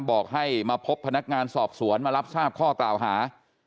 บอกให้มาพบพนักงานสอบสวนมารับทราบข้อกล่าวหา